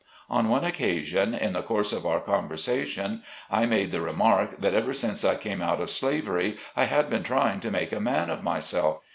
On one occasion, in the course of our conversation, I made the remark that ever since I came out of slavery, I had been trying to make a man of myself.